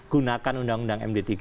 gunakan undang undang md tiga